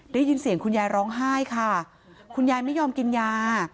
ได้ยินเสียงคุณยายร้องไห้ค่ะคุณยายไม่ยอมกินยา